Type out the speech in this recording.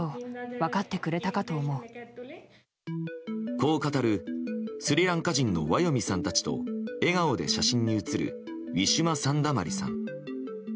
こう語るスリランカ人のワヨミさんたちと笑顔で写真に写るウィシュマ・サンダマリさん。